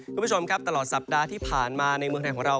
คุณผู้ชมครับตลอดสัปดาห์ที่ผ่านมาในเมืองไทยของเรา